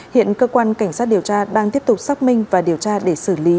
hiện cơ quan cảnh sát điều tra đang tiếp tục xác minh và điều tra để xử lý